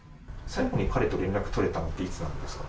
最後に彼と連絡が取れたのっていつなんですか？